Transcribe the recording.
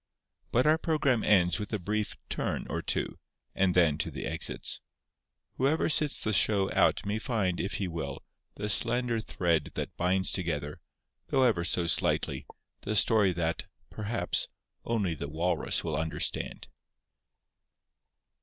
But our programme ends with a brief "turn" or two; and then to the exits. Whoever sits the show out may find, if he will, the slender thread that binds together, though ever so slightly, the story that, perhaps, only the Walrus will understand.